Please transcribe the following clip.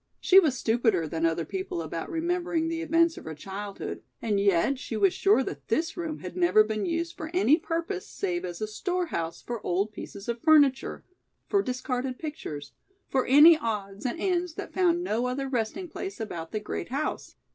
She was stupider than other people about remembering the events of her childhood and yet she was sure that this room had never been used for any purpose save as a storehouse for old pieces of furniture, for discarded pictures, for any odds and ends that found no other resting place about the great house.